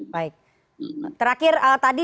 baik terakhir tadi